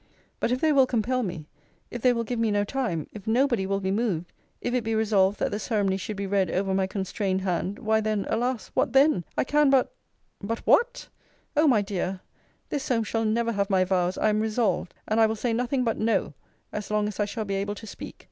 But, if they will compel me: if they will give me no time: if nobody will be moved: if it be resolved that the ceremony should be read over my constrained hand why then Alas! What then! I can but But what? O my dear! this Solmes shall never have my vows I am resolved! and I will say nothing but no, as long as I shall be able to speak.